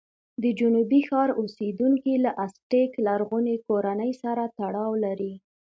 د جنوبي ښار اوسېدونکي له ازتېک لرغونې کورنۍ سره تړاو لري.